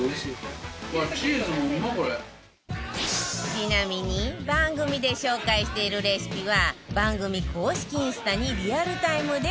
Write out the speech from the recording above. ちなみに番組で紹介しているレシピは番組公式インスタにリアルタイムで更新中